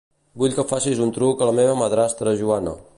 Vull que facis un truc a la meva madrastra Joana.